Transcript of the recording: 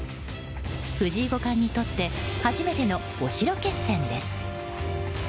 藤井五冠にとって初めてのお城決戦です。